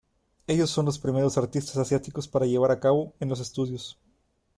Ellos son los primeros artistas asiáticos para llevar a cabo en los estudios.